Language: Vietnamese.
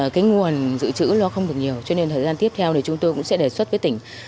cái nguồn dự trữ nó không được nhiều cho nên thời gian tiếp theo thì chúng tôi cũng sẽ đề xuất với tỉnh